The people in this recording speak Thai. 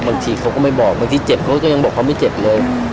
บอกไม่ที่เจ็บเขาก็ยังบอกเขาไม่เจ็บเลย